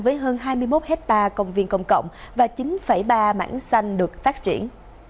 với hơn hai mươi một hectare công viên công cộng và chín ba mảng xanh được phát triển